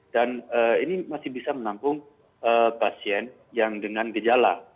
dan ini masih bisa menampung pasien yang dengan gejala